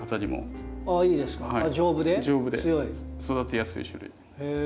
育てやすい種類で。